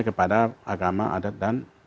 kepada agama adat dan